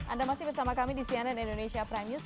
anda masih bersama kami di cnn indonesia prime news